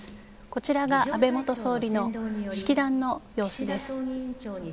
こちらが安倍元総理の式壇の様子です。